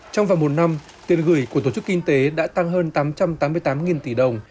trong vòng một năm tiền gửi của tổ chức kinh tế đã tăng hơn tám trăm tám mươi tám tỷ đồng